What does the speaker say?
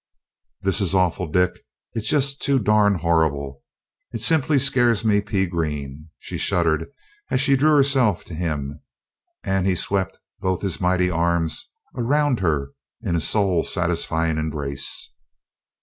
"This is awful, Dick.... It's just too darn horrible. It simply scares me pea green!" she shuddered as she drew herself to him, and he swept both his mighty arms around her in a soul satisfying embrace.